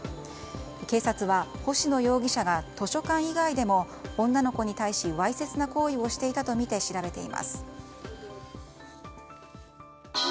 警察は、星野容疑者が図書館以外でも女の子に対しわいせつな行為をしていたとみて調べています。